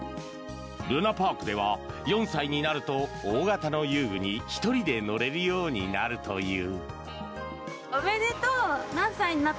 るなぱあくでは４歳になると大型の遊具に１人で乗れるようになるという。